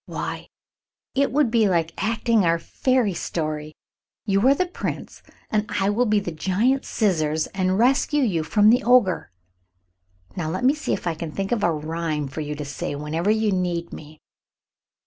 "Why, it would be like acting our fairy story. You are the Prince, and I will be the giant scissors and rescue you from the Ogre. Now let me see if I can think of a rhyme for you to say whenever you need me."